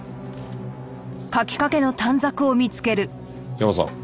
ヤマさん。